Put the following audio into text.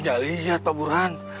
ya lihat pak buruhan